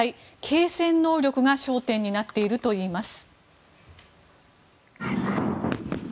継戦能力が焦点になっているといいます。